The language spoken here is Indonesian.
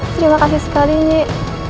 terima kasih sekali nyik